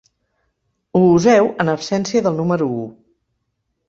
Ho useu en absència del número u.